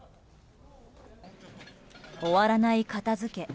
終わらない片付け。